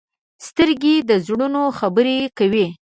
سترګې د زړونو خبرې کوي